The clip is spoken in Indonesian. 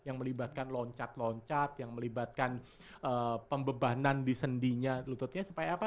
yang melibatkan loncat loncat yang melibatkan pembebanan di sendinya lututnya supaya apa